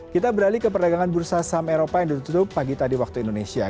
kita beralih ke perdagangan bursa saham eropa yang ditutup pagi tadi waktu indonesia